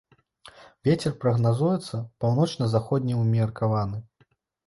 Вецер прагназуецца паўночна-заходні ўмеркаваны.